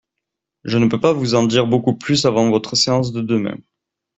Je ne peux pas vous en dire beaucoup plus avant votre séance de demain